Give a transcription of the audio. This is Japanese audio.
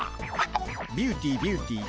ビューティービューティー。